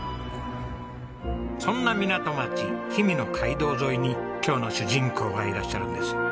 そんな港町氷見の街道沿いに今日の主人公がいらっしゃるんです。